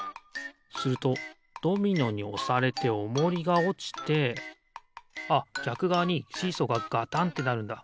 するとドミノにおされておもりがおちてあっぎゃくがわにシーソーがガタンってなるんだ。